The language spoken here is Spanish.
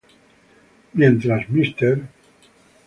Mientras Mr.